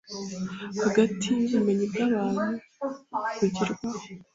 hagati yubumenyi bwabantu bugerwaho